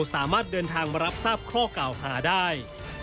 สามารถเดินทางมารับทราบข้อกล่าวหาได้